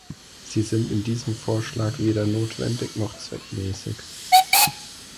Sie sind in diesem Vorschlag weder notwendig noch zweckmäßig.